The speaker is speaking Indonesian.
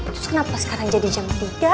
terus kenapa sekarang jadi jam tiga